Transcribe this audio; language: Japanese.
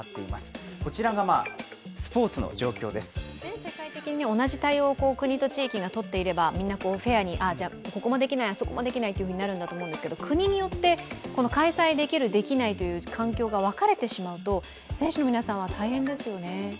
世界的に同じ対応を国と地域が取っていればみんなフェアに、ここもできない、あそこもできないとなるんでしょうけど、国によって開催できる、できないという環境が分かれてしまうと選手の皆さんは大変ですよね。